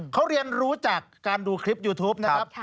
เขาเรียนรู้จากการดูคลิปยูทูปนะครับ